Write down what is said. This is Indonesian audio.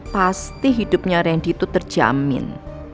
pasti hidupnya randy itu terjamin